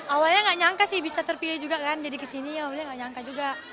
awalnya nggak nyangka sih bisa terpilih juga kan jadi kesini awalnya nggak nyangka juga